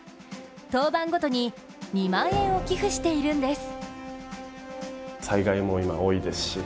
登板ごとに２万円を寄付しているんです。